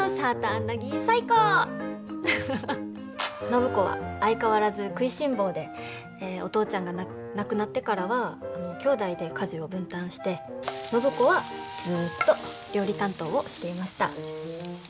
暢子は相変わらず食いしん坊でお父ちゃんが亡くなってからはきょうだいで家事を分担して暢子はずっと料理担当をしていました。